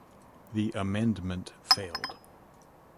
The amendment failed.